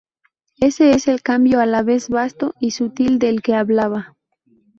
Ese es el cambio a la vez vasto y sutil del que hablaba.